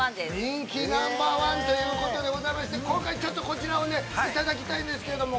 ◆人気ナンバーワンということでございまして、今回ちょっとこちらをねいただきたいんですけれども。